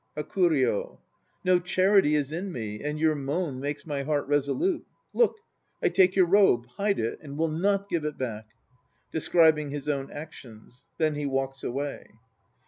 HAKURYO. No charity is in me, and your moan Makes my heart resolute. Look, I take your robe, hide it, and will not give it back. (Describing his own actions. Then he walks away.)